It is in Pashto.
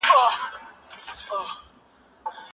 دلته څنګه زما پر کور بل سوی اور دی